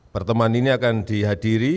perteman ini akan dihadiri